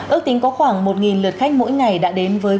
ước tính có khoảng một lượt khách mỗi ngày đã đến với quốc tế